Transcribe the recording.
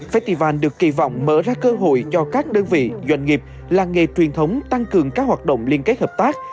festival được kỳ vọng mở ra cơ hội cho các đơn vị doanh nghiệp làng nghề truyền thống tăng cường các hoạt động liên kết hợp tác